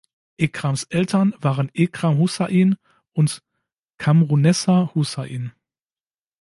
Ekrams Eltern waren Ekram Hussain und Qamrunnessa Hussain.